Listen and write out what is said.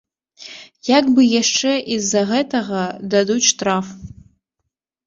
Як бы яшчэ і з-за гэтага дадуць штраф.